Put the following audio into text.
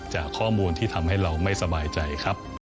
จากข้อมูลที่ทำให้เราไม่สบายใจครับ